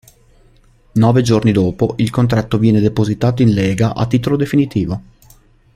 Nove giorni dopo, il contratto viene depositato in Lega a titolo definitivo.